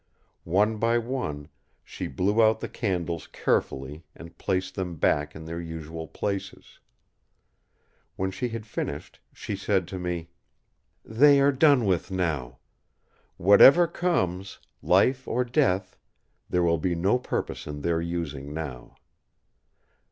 One by one, she blew out the candles carefully and placed them back in their usual places. When she had finished she said to me: "They are done with now. Whatever comes—life or death—there will be no purpose in their using now."